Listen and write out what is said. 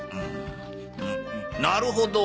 なるほど！